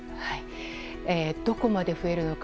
どこまで増えるのか。